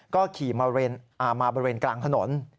ก็ขี่มาบริเวณกลางถนน